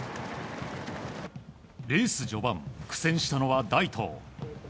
レース序盤、苦戦したのは大東。